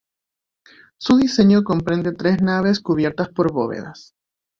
Su diseño comprende tres naves cubiertas por bóvedas.